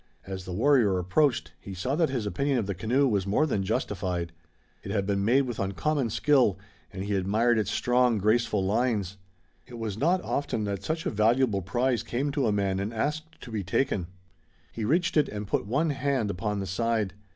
As the warrior approached he saw that his opinion of the canoe was more than justified. It had been made with uncommon skill and he admired its strong, graceful lines. It was not often that such a valuable prize came to a man and asked to be taken. He reached it and put one hand upon the side.